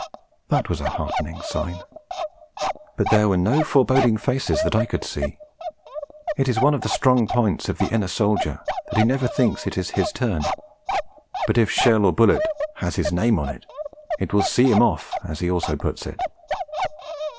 That was a heartening sign. But there were no foreboding faces that I could see. It is one of the strong points of the inner soldier that he never thinks it is his turn; but if shell or bullet 'has his name on it,' it will 'see him off,' as he also puts it.